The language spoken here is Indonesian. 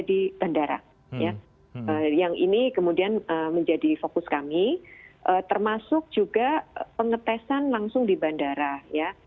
di bandara ya yang ini kemudian menjadi fokus kami termasuk juga pengetesan langsung di bandara ya